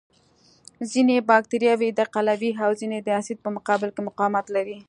ځینې بکټریاوې د قلوي او ځینې د اسید په مقابل کې مقاومت لري.